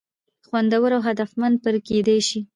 خوندور او هدفمند پر کېدى شي.